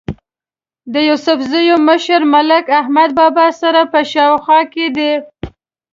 د یوسفزو مشر ملک احمد بابا سره په خوا کې دی.